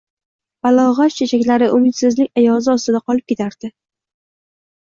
Bbalog‘at chechaklari umidsizlik ayozi ostida qolib ketardi.